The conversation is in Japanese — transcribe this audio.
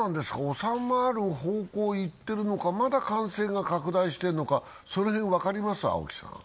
収まる方向へいってるのか、まだ感染が拡大しているのか、その辺、分かります？